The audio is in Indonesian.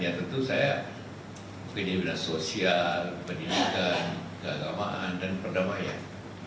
biar tentu saya dilihat sosial pendidikan keagamaan dan perdamaian